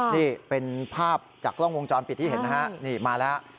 นี่เป็นภาพจากกล้องวงจรปิดที่เห็นนะฮะนี่มาแล้ว